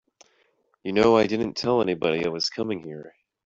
You know I didn't tell anybody I was coming here.